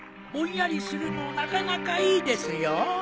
ぼんやりするのなかなかいいですよ。